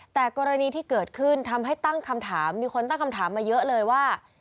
แต่กรณีที่เกิดขึ้นทำให้ตั้งคำถามมีคนตั้งคำถามมาเยอะเลยว่า